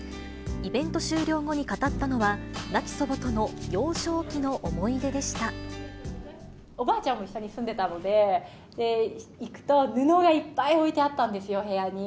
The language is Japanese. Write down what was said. イベント終了後に語ったのは、亡き祖母との、幼少期の思い出でおばあちゃんも一緒に住んでたので、行くと、布がいっぱい置いてあったんですよ、部屋に。